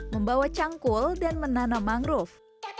membawa cangkul dan menanam mangrove